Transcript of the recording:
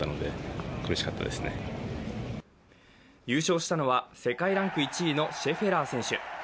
優勝したのは世界ランク１位のシェフラー選手。